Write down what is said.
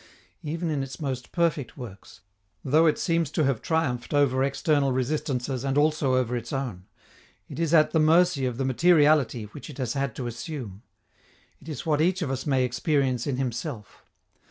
Even in its most perfect works, though it seems to have triumphed over external resistances and also over its own, it is at the mercy of the materiality which it has had to assume. It is what each of us may experience in himself.